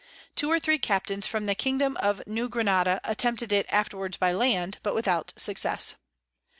Two or three Captains from the Kingdom of New Granada attempted it afterwards by Land, but without Success.